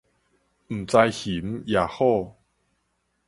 毋知熊抑虎